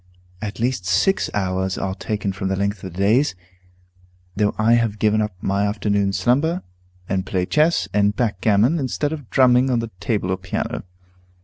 At least six hours are taken from the length of the days, though I have given up my afternoon slumber, and play chess and backgammon instead of drumming on the table or piano.